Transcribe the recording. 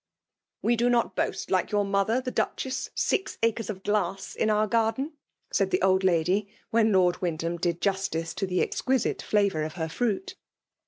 "We do not boast, like your mother, the Duchess, six acres of glass in our garden," said the old lady, when Lord Wyndham did justice to the exquisite flavour of her fruit.